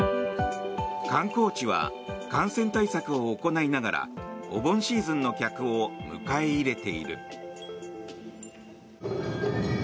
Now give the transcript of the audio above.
観光地は感染対策を行いながらお盆シーズンの客を迎え入れている。